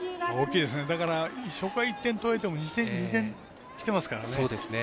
だから、初回１回取れても２点きてますから。